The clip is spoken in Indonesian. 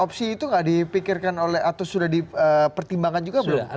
opsi itu nggak dipikirkan oleh atau sudah dipertimbangkan juga belum